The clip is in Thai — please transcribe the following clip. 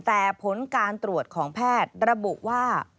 แต่ผลการตรวจของแพทย์ระบุว่า